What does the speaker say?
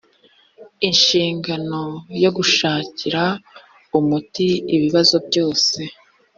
inshingano yo gushakira umuti ibibazo byose